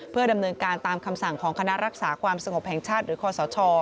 เพื่อดำเนินการตามคำสั่งของคณะรักษาความสงบแห่งชาติหรือคอสช